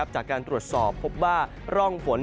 จากการตรวจสอบพบว่าร่องฝน